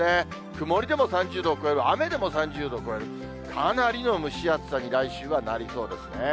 曇りでも３０度を超える、雨でも３０度を超える、かなりの蒸し暑さに来週はなりそうですね。